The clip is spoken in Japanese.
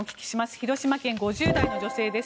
広島県、５０代女性です。